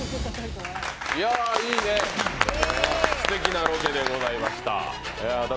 いや、いいね、すてきなロケでございました。